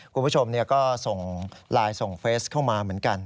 คุณผู้ชมก็ส่งไลน์ส่งเฟสเข้ามาเหมือนกัน